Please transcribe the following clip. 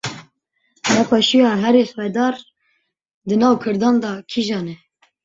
Nexweşiya herî xedar di nav kurdan de kîjan e?